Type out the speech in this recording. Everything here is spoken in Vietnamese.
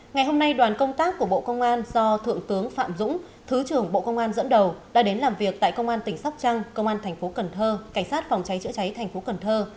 ngày hôm nay đoàn công tác của bộ công an do thượng tướng phạm dũng thứ trưởng bộ công an dẫn đầu đã đến làm việc tại công an tỉnh sóc trăng công an thành phố cần thơ cảnh sát phòng cháy chữa cháy thành phố cần thơ